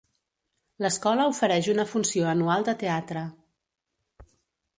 L'escola ofereix una funció anual de teatre.